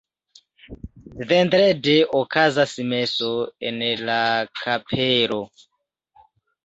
Vendrede okazas meso en la kapelo.